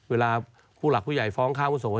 เวลาผู้หลักผู้ใหญ่ฟ้องค่าวุโส